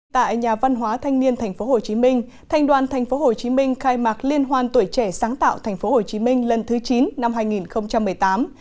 tại nhà văn hóa thanh niên tp hcm thanh đoàn tp hcm khai mạc liên hoan tuổi trẻ sáng tạo tp hcm lần thứ chín năm hai nghìn một mươi tám